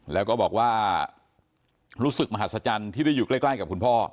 แล้วก็บอกว่ารู้สึกมหัศจรรย์ที่ได้อยู่ใกล้กับคุณพ่อ